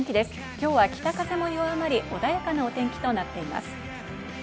今日は北風も弱まり、穏やかなお天気となっています。